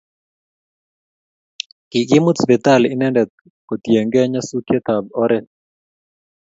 Kikimut sipitali inendet kotienge nyasutiet ab oret